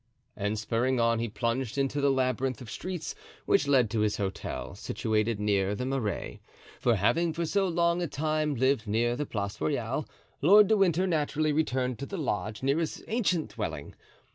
And spurring on he plunged into the labyrinth of streets which led to his hotel, situated near the Marais, for having for so long a time lived near the Place Royale, Lord de Winter naturally returned to lodge near his ancient dwelling.